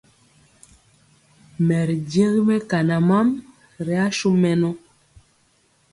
Mɛ ri jegi mɛkana mam ri asu mɛnɔ.